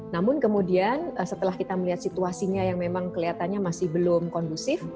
namun kemudian setelah kita melihat situasinya yang memang kelihatannya masih belum kondusif